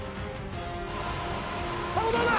卵どうだ？